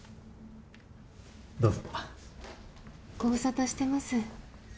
どうぞご無沙汰してます